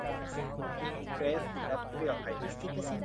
อิงเกรส อินดัสเตรียล ไทยแลนด์